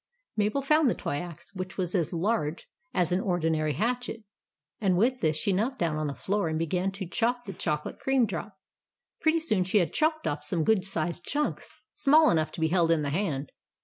Mabel found the toy axe, which was as large as an ordinary hatchet, and with this she knelt down on the floor, and began to chop the chocolate cream drop. Pretty soon she had chopped off some good sized chunks, small enough to be held in the hand.